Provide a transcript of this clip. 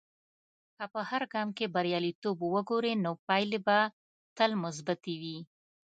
که په هر ګام کې بریالیتوب وګورې، نو پایلې به تل مثبتي وي.